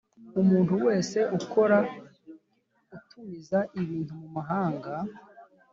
Umuntu wese ukora utumiza ibintu mu mahanga